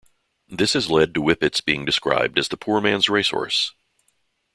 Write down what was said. This has led to Whippets being described as the poor man's racehorse.